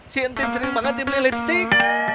si entik sering banget dibeli lipstick